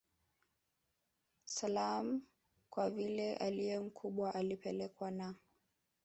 Salaam Kwa vile aliye mkubwa alipelekwa na